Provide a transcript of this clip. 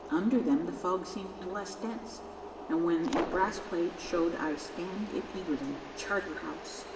Under them the fog seemed less dense, and when a brass plate showed I scanned it eagerly. "Charterhouse."